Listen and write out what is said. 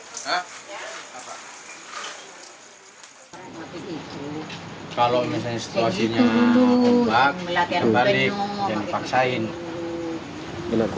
ketika diperlukan kekayaan sumber daya laut indonesia berlaku